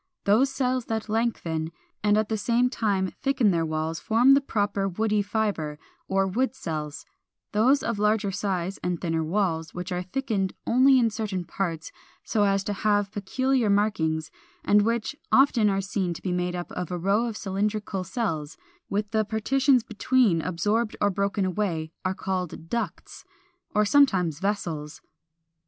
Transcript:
Those cells that lengthen, and at the same time thicken their walls form the proper WOODY FIBRE or WOOD CELLS; those of larger size and thinner walls, which are thickened only in certain parts so as to have peculiar markings, and which often are seen to be made up of a row of cylindrical cells, with the partitions between absorbed or broken away, are called DUCTS, or sometimes VESSELS.